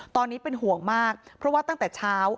ตอนนี้เป็นห่วงมากเพราะว่าตั้งแต่เช้า